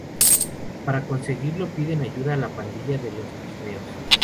Para conseguirlo piden ayuda a la pandilla de Los Pigmeos.